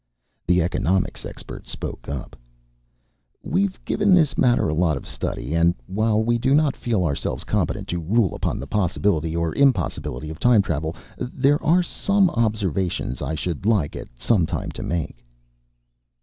The economics expert spoke up: "We've given this matter a lot of study and, while we do not feel ourselves competent to rule upon the possibility or impossibility of time travel, there are some observations I should like, at some time, to make."